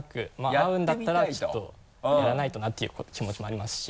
会うんだったらちょっとやらないとなっていう気持ちもありますし。